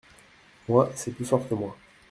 Moi, c’est plus fort que moi…